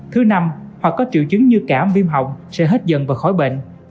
thứ năm hoặc có triệu chứng như cảm viêm hỏng sẽ hết dần và khỏi bệnh